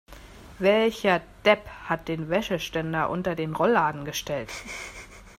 Welcher Depp hat den Wäscheständer unter den Rollladen gestellt?